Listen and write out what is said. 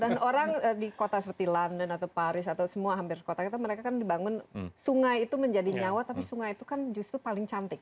dan orang di kota seperti london atau paris atau semua hampir kota kita mereka kan dibangun sungai itu menjadi nyawa tapi sungai itu kan justru paling cantik